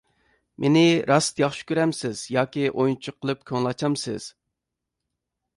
مېنى راست ياخشى كۆرەمسىز ياكى ئويۇنچۇق قىلىپ كۆڭۈل ئاچامسىز؟